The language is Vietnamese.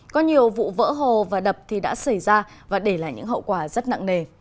có nhiều vụ vỡ hồ và đập thì đã xảy ra và để lại những hậu quả rất nặng nề